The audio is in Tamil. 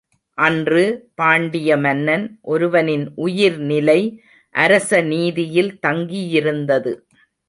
அன்று, பாண்டிய மன்னன் ஒருவனின் உயிர்நிலை அரச நீதியில் தங்கியிருந்தது.